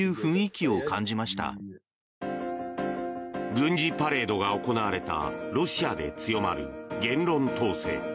軍事パレードが行われたロシアで強まる言論統制。